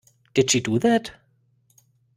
Did she do that?